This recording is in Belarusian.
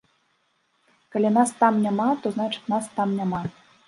Калі нас там няма, то значыць нас там няма.